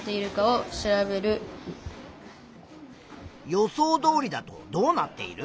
予想どおりだとどうなっている？